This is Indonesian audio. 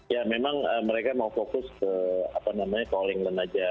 ya memang mereka mau fokus ke all england aja